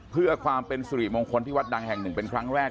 เพื่อความเป็นสุริมงคลที่วัดดังแห่งหนึ่งเป็นครั้งแรก